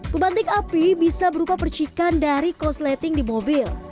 pemantik api bisa berupa percikan dari kosleting di mobil